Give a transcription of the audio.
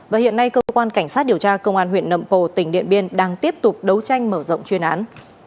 và hiện nay cơ quan cảnh sát điều tra công an huyện nậm pồ tỉnh điện biên đang tiếp tục đấu tranh mở rộng chuyên án